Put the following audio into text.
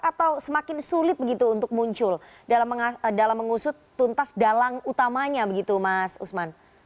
atau semakin sulit begitu untuk muncul dalam mengusut tuntas dalang utamanya begitu mas usman